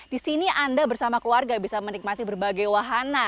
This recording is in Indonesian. di sini anda bersama keluarga bisa menikmati berbagai wahana